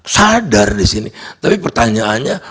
sadar di sini tapi pertanyaannya